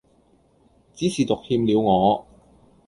只是獨欠了我